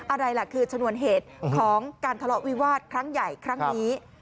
อะไรล่ะคือชนวนเหตุของการทะเลาะวิวาสครั้งใหญ่ครั้งนี้